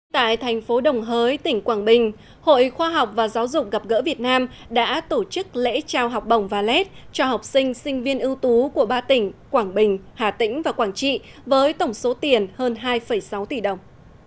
tại thành phố đồng hới tỉnh quảng bình hội khoa học và giáo dục gặp gỡ việt nam đã tổ chức lễ trao học bổng valet cho học sinh sinh viên ưu tú của ba tỉnh quảng bình hà tĩnh và quảng trị với tổng số tiền hơn hai sáu tỷ đồng